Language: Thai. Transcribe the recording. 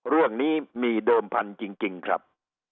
เรื่องนี้มีเดิมพันธุ์จริงครับ